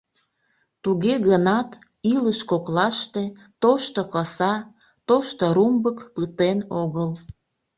Туге гынат илыш коклаште тошто коса, тошто румбык пытен огыл.